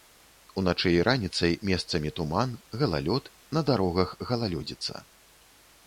Уначы і раніцай месцамі туман, галалёд, на дарогах галалёдзіца.